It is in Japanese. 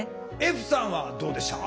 歩さんはどうでしたか？